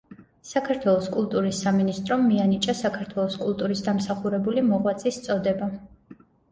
საქართველოს კულტურის სამინისტრომ მიანიჭა საქართველოს კულტურის დამსახურებული მოღვაწის წოდება.